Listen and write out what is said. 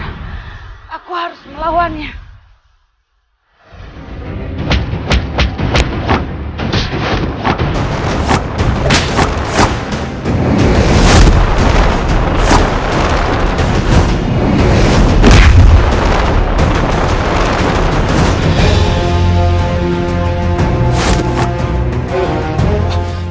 aku harus melawannya